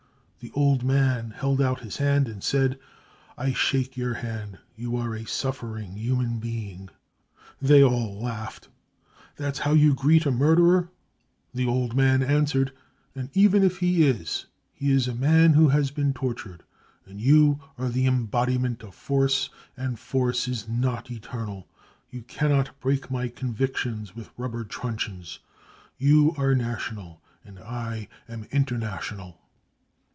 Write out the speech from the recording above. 5 The old man held out his hand and said : 4 1 shake your hand, you are a suffering human being. 5 They all laughed : 4 That's how you greet a murderer ! 5 The old man answered : 4 And even , if he is, he is a man who has been tortured, and you are the embodiment of force, and force is not eternal. You cannot break my convic tions with rubber truncheons : you are national and I an international.